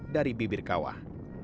dari bibir kawah